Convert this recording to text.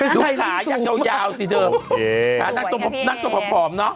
สุข่ายังยาวสิเถิมโอเคสวยครับพี่เอนักตบผอมเนอะ